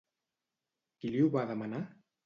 Qui li ho va demanar?